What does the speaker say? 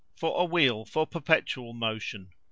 For a wheel for perpetual motion.